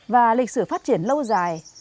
và lịch sử phát triển lâu dài